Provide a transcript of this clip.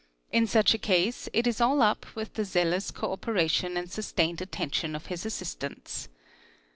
In such a case, it is all up with the zealous co operation and sustained attention of his assistants.